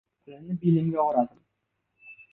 Pulini belimga o‘radim.